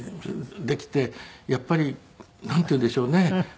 やっぱりなんていうんでしょうね。